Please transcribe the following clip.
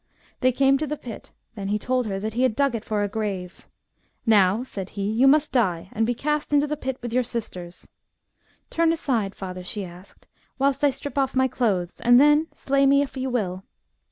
They came to the pit ; then he told her that he had dug it for a grave. ' Now,' said he, ' you must die, and be cast into the pit with your sisters.' Turn aside, father,' she asked, 'whilst I strip off my clothes, and then slay me if you will.'